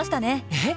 えっ？